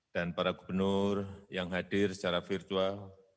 dan para gubernur yang hadir secara virtual